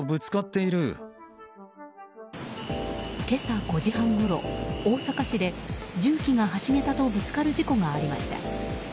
今朝５時半ごろ、大阪市で重機が橋げたとぶつかる事故がありました。